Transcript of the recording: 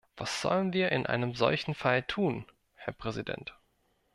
Was sollen wir in einem solchen Fall tun, Herr Präsident?